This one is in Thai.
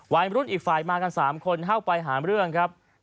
วัยรุ่นอีกฝ่ายมากัน๓คนเข้าไปหาเรื่องครับ